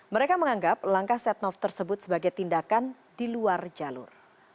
mereka menganggap langkah setnov tersebut sebagai tindakan di luar jalur